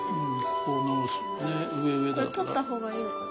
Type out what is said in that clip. これとったほうがいいのかな？